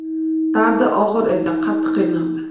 Dardi ogʻir edi, qattiq qiynaldi.